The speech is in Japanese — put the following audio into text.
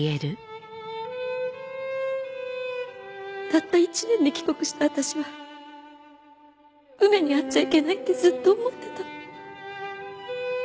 たった１年で帰国した私は梅に会っちゃいけないってずっと思ってた。